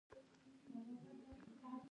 د کندهار په غورک کې څه شی شته؟